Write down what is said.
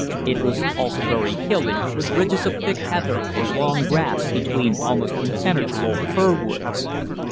It was also very hilly, with ridges of thick heather or long grass between almost impenetrable fir woods.